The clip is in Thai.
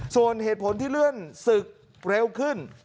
ส่วนเหตุผลที่เลื่อนศึกเร็วขึ้น